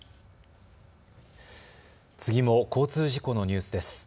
次も交通事故のニュースです。